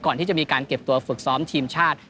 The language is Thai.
ก่อนที่จะมีการเก็บตัวฝึกซ้อมทีมชาติ